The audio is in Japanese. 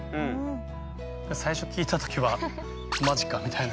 最初聞いた時は「マジか⁉」みたいな。